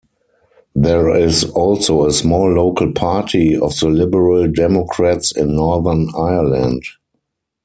There is also a small local party of the Liberal Democrats in Northern Ireland.